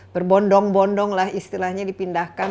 berbondong bondong lah istilahnya dipindahkan